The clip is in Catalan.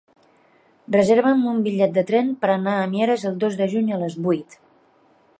Reserva'm un bitllet de tren per anar a Mieres el dos de juny a les vuit.